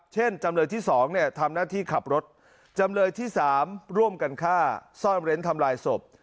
จำเลยที่๒ทำหน้าที่ขับรถจำเลยที่๓ร่วมกันฆ่าซ่อนเร้นทำลายศพ